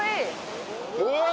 おい！